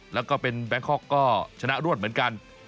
แล้วก็เป็นแบงคอกก็ชนะรวดเหมือนกัน